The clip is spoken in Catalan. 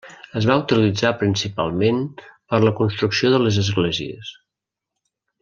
Es va utilitzar principalment per la construcció de les esglésies.